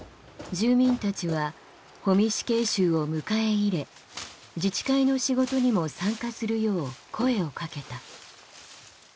住民たちは保見死刑囚を迎え入れ自治会の仕事にも参加するよう声をかけた。